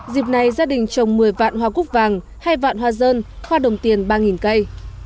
dịp này gia đình trồng một mươi vạn hoa cúc vàng hai vạn hoa dơn hoa đồng tiền ba cây